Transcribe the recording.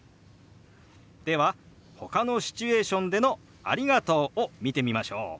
ではほかのシチュエーションでの「ありがとう」を見てみましょう。